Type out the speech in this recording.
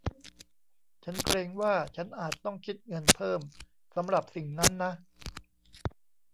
ฉันเกรงว่า ฉันอาจต้องคิดเงินเพิ่มสำหรับสิ่งนั้นนะ